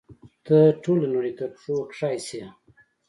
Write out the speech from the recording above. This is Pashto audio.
ته ټوله نړۍ تر پښو کښی شي